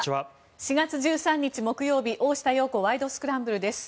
４月１３日、木曜日「大下容子ワイド！スクランブル」です。